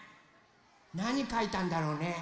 なにかいたんだろうね。